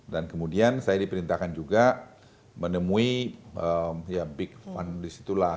dan kemudian saya diperintahkan juga menemui ya big fund di situlah